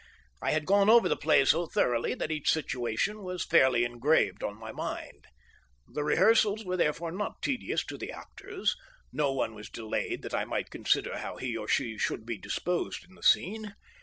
I had gone over the play so thoroughly that each situation was fairly engraved on my mind. The rehearsals were therefore not tedious to the actors; no one was delayed that I might consider how he or she should be disposed in the scene.